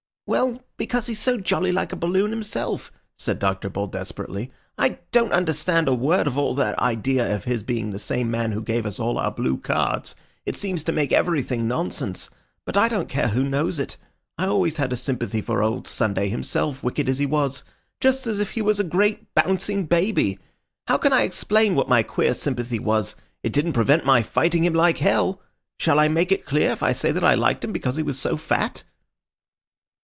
"Well, because he's so jolly like a balloon himself," said Dr. Bull desperately. "I don't understand a word of all that idea of his being the same man who gave us all our blue cards. It seems to make everything nonsense. But I don't care who knows it, I always had a sympathy for old Sunday himself, wicked as he was. Just as if he was a great bouncing baby. How can I explain what my queer sympathy was? It didn't prevent my fighting him like hell! Shall I make it clear if I say that I liked him because he was so fat?"